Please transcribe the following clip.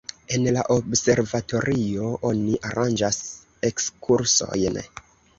En la observatorio oni aranĝas ekskursojn.